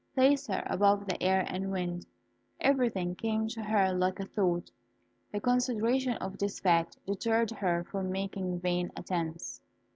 Placed above the air and wind, everything came to her like a thought. The consideration of this fact deterred her from making vain attempts.